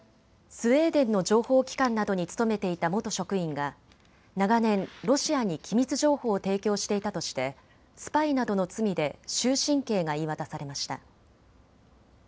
スウェーデンの情報機関などに勤めていた元職員が長年、ロシアに機密情報を提供していたとしてスパイなどの罪で終身刑が言い渡されました。